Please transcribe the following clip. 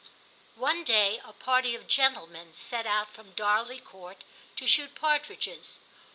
One day a party of gentlemen set out from Darley Court to shoot partridges.